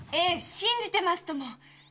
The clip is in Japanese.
信じてますとも！